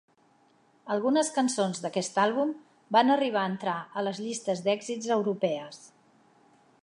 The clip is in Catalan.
Algunes cançons d'aquest àlbum van arribar a entrar a las llistes d'èxits europees.